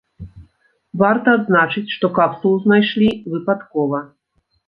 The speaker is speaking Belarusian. Варта адзначыць, што капсулу знайшлі выпадкова.